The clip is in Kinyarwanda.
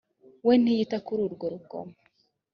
we ntiyita kuri urwo rugomo